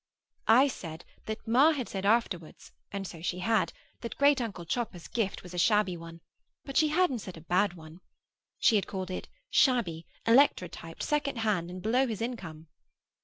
I said that ma had said afterwards (and so she had), that Great uncle Chopper's gift was a shabby one; but she hadn't said a bad one. She had called it shabby, electrotyped, second hand, and below his income.